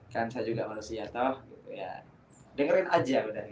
kan saya juga harus iya toh dengerin aja udah jangan ngejudge dulu